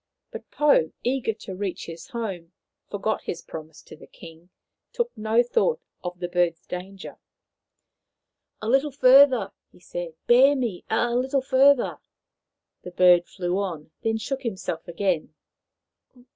But Pou, eager to reach his home, forgot his promise to the king, took no thought of the bird's danger. " A little fur ther !" he said. " Bear me a little further !" The bird flew on, then shook himself again.